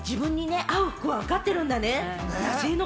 じゃあ、自分に似合う服をわかってるんだね。